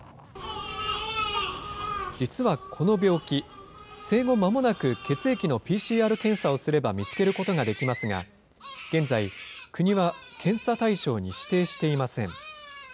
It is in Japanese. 実はこの病気、生後まもなく血液のＰＣＲ検査をすれば見つけることができますが、現在、国は検査対象に指定していません。